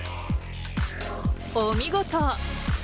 お見事！